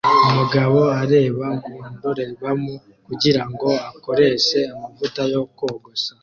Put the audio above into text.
Umugabo areba mu ndorerwamo kugirango akoreshe amavuta yo kogosha